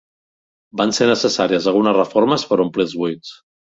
Van ser necessàries algunes reformes per omplir els buits.